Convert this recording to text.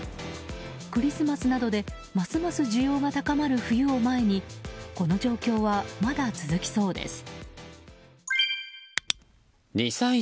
クリスマスなどでますます需要が高まる冬を前にこの状況はまだ続きそうです。